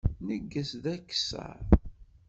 Neggez d akessar.